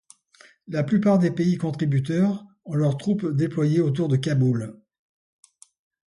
La plupart des pays contributeurs ont leur troupes déployées autour de Kaboul.